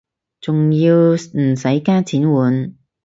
仲要唔使加錢換